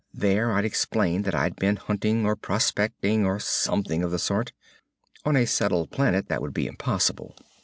There I'd explain that I'd been hunting or prospecting or something of the sort. On a settled planet that would be impossible.